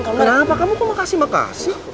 kenapa kamu kum kasih makasih